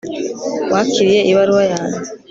wakiriye ibaruwa yanjye